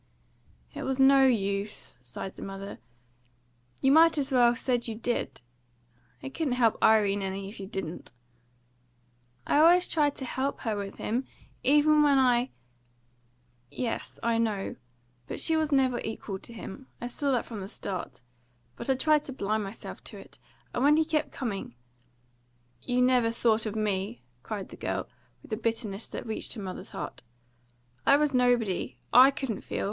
"It was no use," sighed the mother. "You might as well said you did. It couldn't help Irene any, if you didn't." "I always tried to help her with him, even when I " "Yes, I know. But she never was equal to him. I saw that from the start; but I tried to blind myself to it. And when he kept coming " "You never thought of me!" cried the girl, with a bitterness that reached her mother's heart. "I was nobody! I couldn't feel!